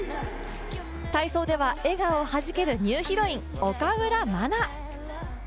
体操では笑顔はじけるニューヒロイン岡村真。